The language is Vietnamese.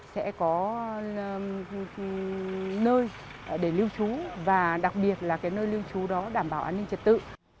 sẽ có nơi để lưu trú và đặc biệt là cái nơi lưu trú đó đảm bảo an ninh trật tự